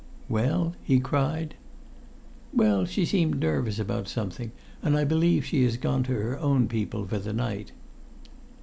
"Well?" he cried. "Well, she seemed nervous about something, and I believe she has gone to her own people for the night."